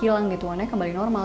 warnanya kembali normal